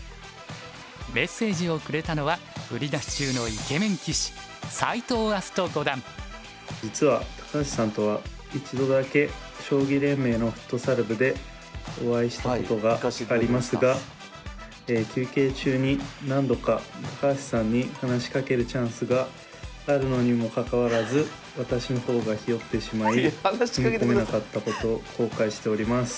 メッセージをくれたのは売り出し中のイケメン棋士実は高橋さんとは一度だけ将棋連盟のフットサル部でお会いしたことがありますが休憩中に何度か高橋さんに話しかけるチャンスがあるのにもかかわらず私の方がひよってしまい踏み込めなかったことを後悔しております。